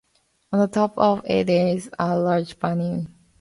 On the top of it is a large vane.